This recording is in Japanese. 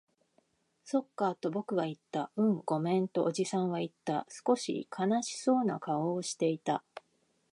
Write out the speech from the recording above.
そっか、と僕は言った。うん、ごめん、とおじさんは言った。少し悲しそうな顔をしていた。